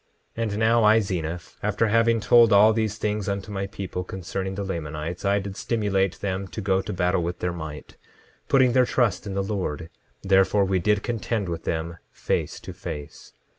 10:19 And now I, Zeniff, after having told all these things unto my people concerning the Lamanites, I did stimulate them to go to battle with their might, putting their trust in the Lord; therefore, we did contend with them, face to face.